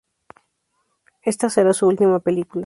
Ésta será su última película.